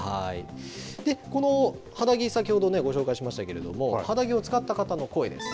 この肌着、先ほどご紹介しましたけれども、肌着を使った人の声です。